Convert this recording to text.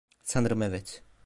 Sanırım evet.